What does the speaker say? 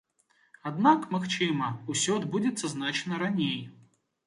Аднак, магчыма, усё адбудзецца значна раней.